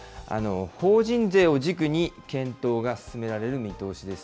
法人税を軸に検討が進められる見通しです。